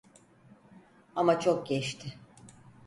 Ama çok geçti.